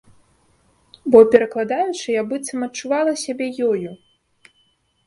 Бо, перакладаючы, я быццам адчувала сябе ёю.